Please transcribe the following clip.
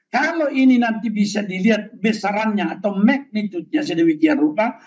kalau ini nanti bisa dilihat besarannya atau magnitudenya sedemikian rupa